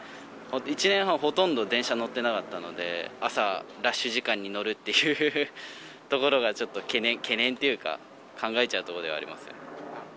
１年半、ほとんど電車乗ってなかったので、朝ラッシュ時間に乗るっていうところがちょっと懸念っていうか、考えちゃうところではありますね。